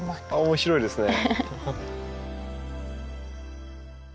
面白いですね。